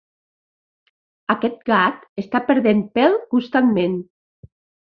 Aquest gat està perdent pel constantment.